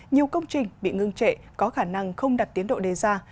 nhiều công trình bị ngưng trệ có khả năng không đạt tiến độ đề ra